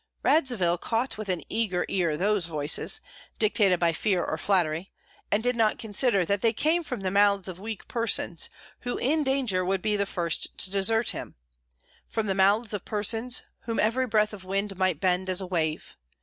Radzivill caught with an eager ear those voices, dictated by fear or flattery, and did not consider that they came from the mouths of weak persons, who in danger would be the first to desert him, from the mouths of persons whom every breath of wind might bend as a wave.